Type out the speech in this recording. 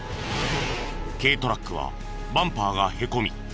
軽トラックはバンパーがへこみ